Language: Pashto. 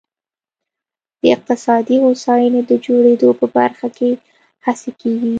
د اقتصادي هوساینې د جوړېدو په برخه کې هڅې کېږي.